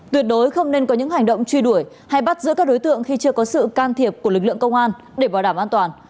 tuyệt đối không nên có những hành động truy đuổi hay bắt giữ các đối tượng khi chưa có sự can thiệp của lực lượng công an để bảo đảm an toàn